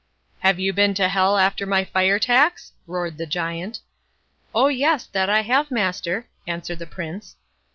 "Have you been to Hell after my fire tax?" roared the Giant. "Oh yes; that I have, master", answered the Prince.